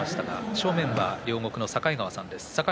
正面、両国の境川さんです。